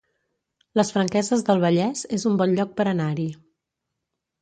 Les Franqueses del Vallès es un bon lloc per anar-hi